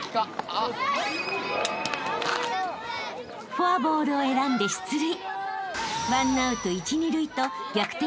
［フォアボールを選んで出塁］